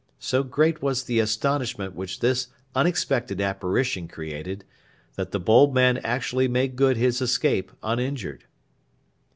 So great was the astonishment which this unexpected apparition created that the bold man actually made good his escape uninjured.